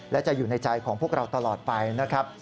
และจะอยู่ในใจของพวกเราตลอดไปนะครับ